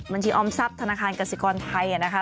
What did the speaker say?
ออมทรัพย์ธนาคารกสิกรไทยนะคะ